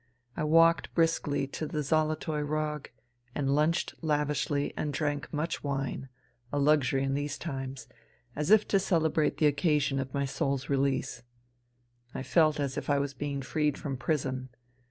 I walked briskly to the ' Zolotoy Rog ' and lunched lavishly and drank much wine — a luxury in these times !— as if to celebrate the occasion of my soul's release. I felt as if I was being freed from prison.